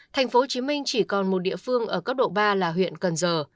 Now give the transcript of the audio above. tp hcm chỉ còn một địa phương ở cấp độ ba là huyện cần giờ